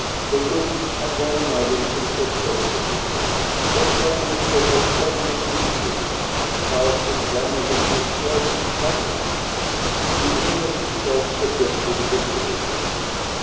They looked at one another in perplexity. What Fardet said was obviously true, but how could one of them desert his comrades? The Emir himself suggested the solution.